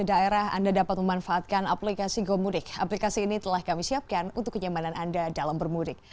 di daerah anda dapat memanfaatkan aplikasi gomudik aplikasi ini telah kami siapkan untuk kenyamanan anda dalam bermudik